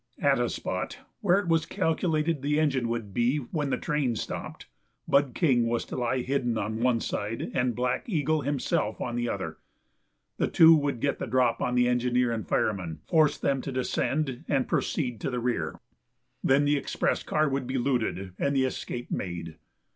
At a spot where it was calculated the engine would be when the train stopped, Bud King was to lie hidden on one side, and Black Eagle himself on the other. The two would get the drop on the engineer and fireman, force them to descend and proceed to the rear. Then the express car would be looted, and the escape made.